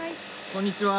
こんにちは。